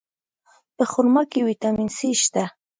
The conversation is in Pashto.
په خرما کې ویټامین C شته.